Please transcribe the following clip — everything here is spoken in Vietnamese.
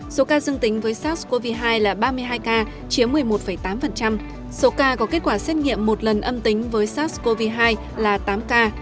số ca dương tính với sars cov hai là ba mươi hai ca chiếm một mươi một tám số ca có kết quả xét nghiệm một lần âm tính với sars cov hai là tám ca